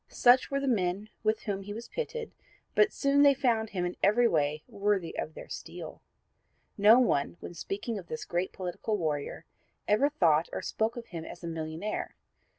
Such were the men with whom he was pitted, but they soon found him in every way worthy of their steel. No one, when speaking of this great political warrior ever thought or spoke of him as a millionaire.